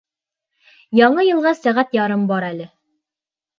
Яңы йылға сәғәт ярым бар әле.